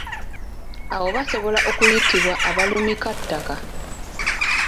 Abo basobola okuyitibwa abalumikattaka.